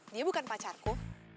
dia bukan pacarku